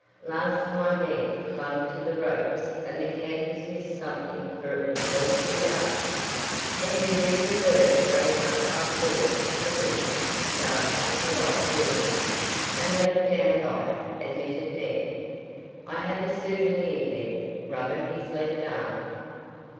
Last time Ned clung to the ropes and the campers missed something for it was awfully dark." "And you really were carried up by the force of the wind?" gasped the polite girl. "And let down by it," admitted Ned, "I have a souvenir yet," rubbing his left arm.